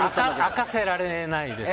明かせられないです。